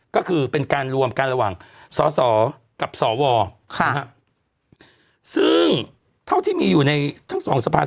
ก็คือเป็นการรวมกันระหว่างสอสอกับสวซึ่งเท่าที่มีอยู่ในทั้งสองสภา